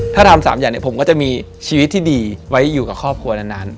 ถ้าทำ๓อย่างเนี่ยผมก็จะมีชีวิตที่ดีไว้อยู่กับครอบครัวนาน